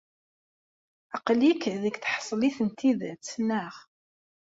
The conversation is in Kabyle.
Aql-ik deg tḥeṣṣilt n tidet, neɣ?